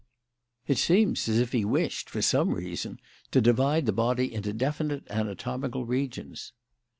"It seems as if he wished, for some reason, to divide the body into definite anatomical regions."